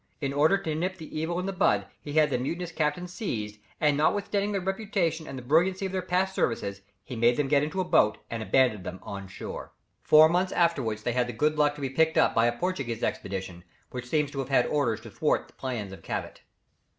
In order to nip the evil in the bud, he had the mutinous captains seized, and notwithstanding their reputation and the brilliancy of their past services, he made them get into a boat, and abandoned them on the shore. Four months afterwards they had the good luck to be picked up by a Portuguese expedition, which seems to have had orders to thwart the plans of Cabot.